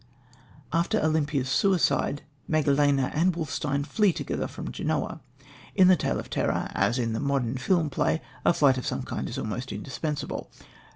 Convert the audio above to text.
After Olympia's suicide, Megalena and Wolfstein flee together from Genoa. In the tale of terror, as in the modern film play, a flight of some kind is almost indispensable.